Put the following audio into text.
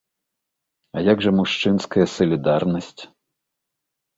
А як жа мужчынская салідарнасць?